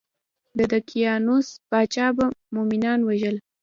د دقیانوس پاچا به مومنان وژل.